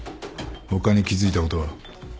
他に気付いたことは？